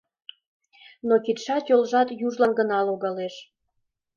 Но кидшат, йолжат южлан гына логалеш.